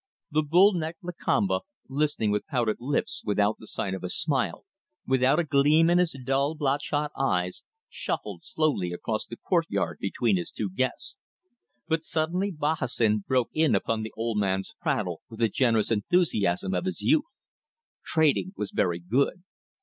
The bull necked Lakamba, listening with pouted lips without the sign of a smile, without a gleam in his dull, bloodshot eyes, shuffled slowly across the courtyard between his two guests. But suddenly Bahassoen broke in upon the old man's prattle with the generous enthusiasm of his youth. ... Trading was very good.